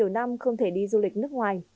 nhiều năm không thể đi du lịch nước ngoài